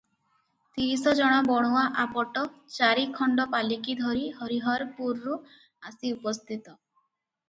ତିରିଶ ଜଣ ବଣୁଆ ଆପଟ ଚାରିଖଣ୍ଡ ପାଲିକି ଧରି ହରିହରପୁରରୁ ଆସି ଉପସ୍ଥିତ ।